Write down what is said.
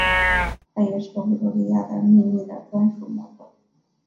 她也是维多利亚的秘密的专属模特儿。